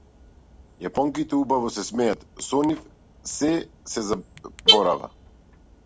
Јапонките убаво се смеат, со нив сѐ се заборава.